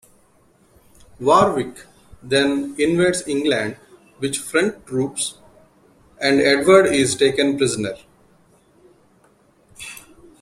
Warwick then invades England with French troops, and Edward is taken prisoner.